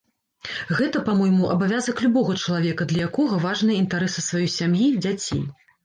Гэта, па-мойму, абавязак любога чалавека, для якога важныя інтарэсы сваёй сям'і, дзяцей.